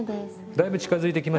だいぶ近づいてきましたよね